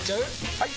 ・はい！